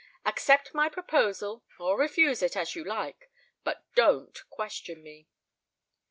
"Accept my proposal, or refuse it, as you like;—but don't question me."